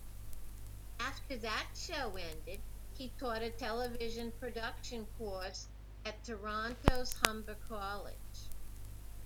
After that show ended, he taught a television production course at Toronto's Humber College.